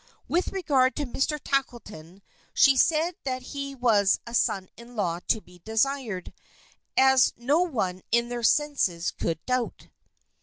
With regard to Mr. Tackleton, she said that he was a son in law to be desired, as no one in their senses could doubt.